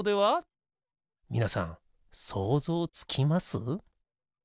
みなさんそうぞうつきます？